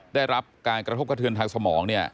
ได้รับการกระทบกระเทือนทางสมอง